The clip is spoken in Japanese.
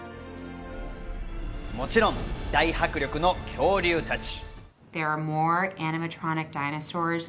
もちろん大迫力の恐竜たち。